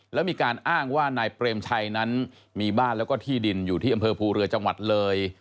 แล้วมีการอ้างว่านายเปรมชัยนั้นมีบ้านแล้วก็ที่ดินอยู่ที่อำเภอภูเรือจังหวัดเลย